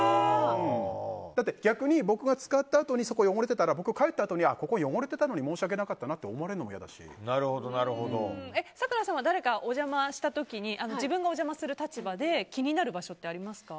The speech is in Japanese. だって逆に僕が使ったあとにそこ汚れてたら僕が帰ったあとにここ汚れてたのに申し訳なかったなって咲楽さんは誰かお邪魔した時に自分がお邪魔する立場で気になる場所ってありますか。